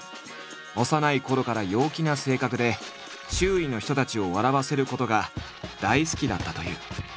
幼いころから陽気な性格で周囲の人たちを笑わせることが大好きだったという。